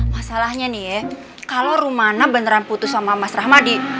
masalahnya nih ya kalau rumana beneran putus sama mas rahmadi